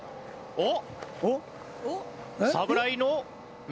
おっ？